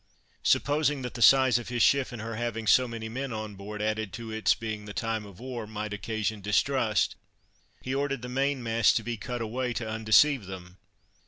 Supposing that the size of his ship, and her having so many men on board, added to its being the time of war, might occasion distrust, he ordered the main mast to be cut away to undeceive them.